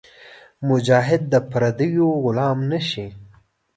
مجاهد د پردیو غلام نهشي.